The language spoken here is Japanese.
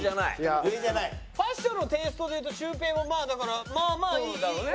ファッションのテイストでいうとシュウペイもまあだからまあまあいい悪くはない。